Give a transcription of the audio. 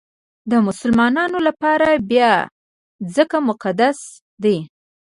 د مسلمانانو لپاره بیا ځکه مقدس دی.